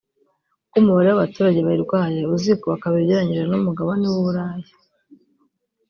kuko umubare w’abaturage bayirwaye uzikuba kabiri ugereranyije no mugabane w’u Burayi